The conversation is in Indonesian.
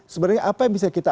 sebenarnya apa yang bisa kita